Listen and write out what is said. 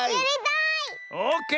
オーケー！